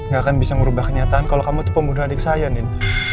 gak akan bisa merubah kenyataan kalau kamu tuh pembunuh adik saya nih